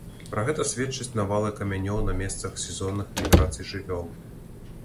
Пра гэта сведчаць навалы камянёў на месцах сезонных міграцый жывёл.